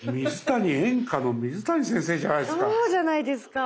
演歌の水谷先生じゃないですか。